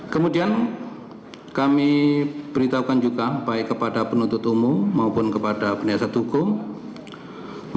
kemudian kami beritahukan juga baik kepada penuntut umum maupun kepada penyiasat hukum